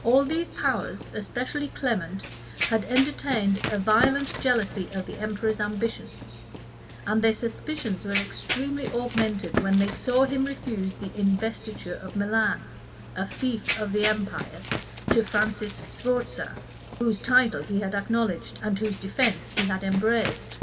All these powers, especially Clement, had entertained a violent jealousy of the emperor's ambition; and their suspicions were extremely augmented when they saw him refuse the investiture of Milan, a fief of the empire, to Francis Sforza, whose title he had acknowledged, and whose defence he had embraced.